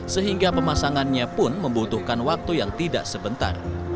sehingga pemasangannya pun membutuhkan waktu yang tidak sebentar